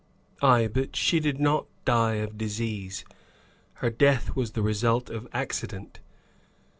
Ay, but she did not die of disease; her death was the result of accident.